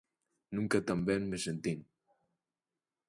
Nunca tan ben me sentín.